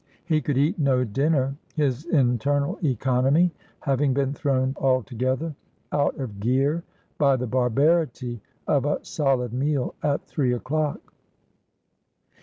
He could eat no dinner, his internal economy having been thrown altogether out of gear by the barbarity of a solid meal at three o'clock.